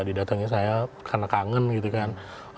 didatangi saya karena kangen gitu kan